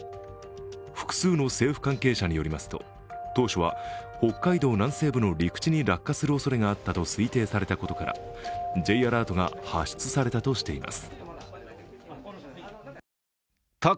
複数の政府関係者によりますと、当初は北海道南西部の陸地に落下するおそれがあったと推定されたことからＪアラートが発出されたとしています。